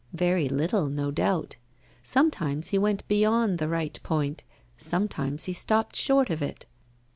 Very little, no doubt. Sometimes he went beyond the right point, sometimes he stopped short of it.